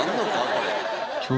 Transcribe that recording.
これ。